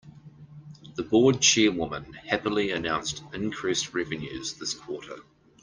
The board chairwoman happily announced increased revenues this quarter.